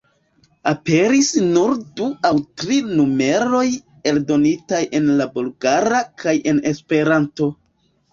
Aperis nur du aŭ tri numeroj eldonitaj en la Bulgara kaj en Esperanto.